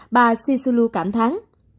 bà sisulu cảm thắng